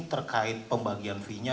terkait pembagian v nya